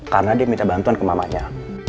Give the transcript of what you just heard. karena dia minta bantuan ke mamanya